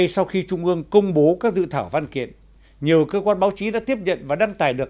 sau khi trung ương công bố các dự thảo văn kiện nhiều cơ quan báo chí đã tiếp nhận và đăng tải được